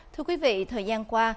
thưa quý vị thời gian qua